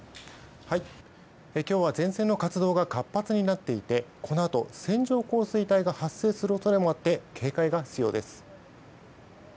今日は前線の活動が活発になっていてこのあと線状降水帯が発生する恐れもあって警戒が必要です。